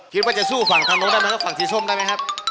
คิดว่าจะสู้ฝั่งธรรมนกได้มั้ยว่าฝั่งสีส้มได้มั้ยครับ